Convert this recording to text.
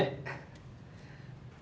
eh makasih ya